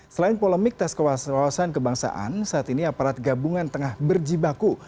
selain polemik tes kewasan kebangsaan saat ini aparat gabungan tengah berjibaku